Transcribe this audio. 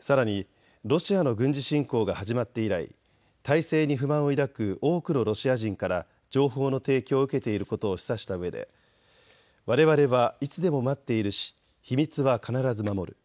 さらにロシアの軍事侵攻が始まって以来、体制に不満を抱く多くのロシア人から情報の提供を受けていることを示唆したうえでわれわれはいつでも待っているし秘密は必ず守る。